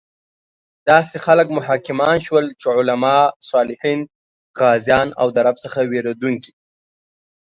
داسې خلک مو حاکمان شول چې علماء، صالحین، غازیان او د رب څخه ویریدونکي